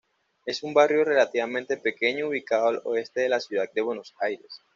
Es un barrio relativamente pequeño ubicado al oeste de la ciudad de Buenos Aires.